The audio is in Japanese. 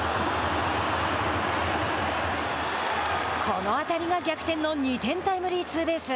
この当たりが逆転の２点タイムリーツーベース。